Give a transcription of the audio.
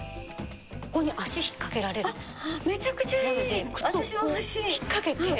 ここに足引っかけられるんです。